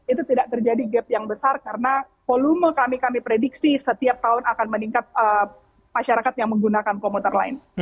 itu tidak terjadi gap yang besar karena volume kami kami prediksi setiap tahun akan meningkat masyarakat yang menggunakan komuter lain